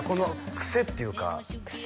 クセっていうかクセ？